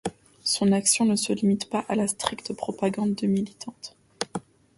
Son action ne se limite pas à la stricte propagande militante.